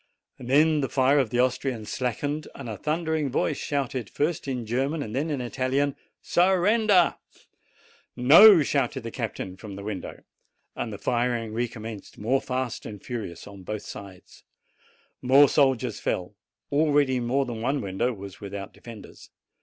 Then the fire of the Austrians slackened, and a thundering voice shouted, first in German and then in Italian, "Surrender!" "No!" shouted the captain from the window. And the firing recommenced more fast and furious on both sides. More soldiers fell. Already more than one window was without defenders.